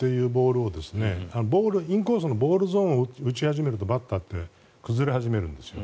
インコースのボールゾーンを打ち始めるとバッターって崩れ始めるんですよ。